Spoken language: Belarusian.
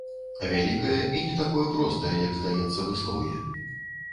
Вялікае і не такое простае, як здаецца, выслоўе.